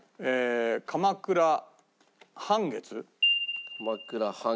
鎌倉半月。